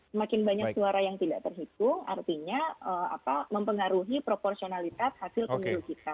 semakin banyak suara yang tidak terhitung artinya mempengaruhi proporsionalitas hasil pemilu kita